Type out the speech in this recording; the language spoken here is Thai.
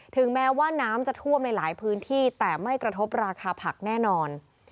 ถึงแม้ว่าน้ำจะท่วมในหลายพื้นที่แต่ไม่กระทบราคาผักแน่นอน